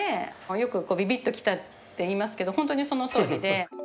よく、びびっときたといいますけれども、本当にそのとおりで。